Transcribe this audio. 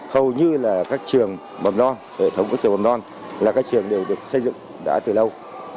hầu như là các trường mầm non hệ thống các trường bầm non là các trường đều được xây dựng đã từ lâu